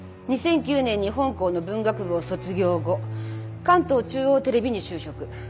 ２００９年に本校の文学部を卒業後関東中央テレビに就職。